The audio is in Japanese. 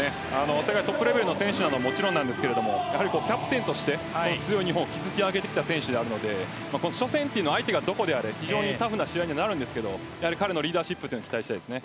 世界トップレベルの選手なのはもちろんなんですがやはりキャプテンとして強い日本を築き上げてきた選手なので初戦は相手がどこであれ非常にタフな試合になるんですが彼のリーダーシップに期待したいです。